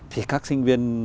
thì các sinh viên